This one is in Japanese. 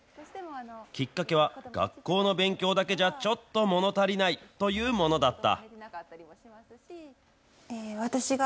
きっかけは、学校の勉強だけじゃ、ちょっともの足りないというものだった。